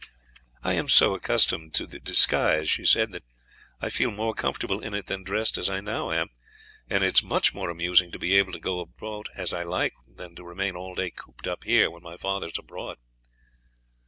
"I am so accustomed to the disguise," she said, "that I feel more comfortable in it than dressed as I now am, and it is much more amusing to be able to go about as I like than to remain all day cooped up here when my father is abroad."